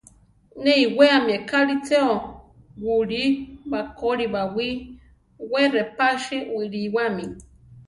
Ne iwéami ekáli chéo: wúli bakóli bawí we repási wiliwámi.